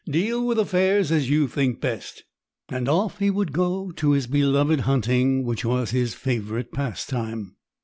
Deal with affairs as you think best." And off he would go to his beloved hunting which was his favorite pastime.